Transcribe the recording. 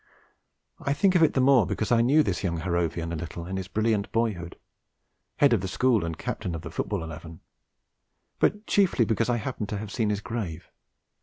I think of it the more because I knew this young Harrovian a little in his brilliant boyhood (Head of the School and Captain of the Football Eleven), but chiefly because I happen to have seen his grave.